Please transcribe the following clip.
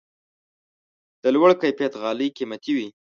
د لوړ کیفیت غالۍ قیمتي وي.